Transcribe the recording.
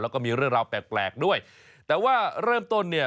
แล้วก็มีเรื่องราวแปลกแปลกด้วยแต่ว่าเริ่มต้นเนี่ย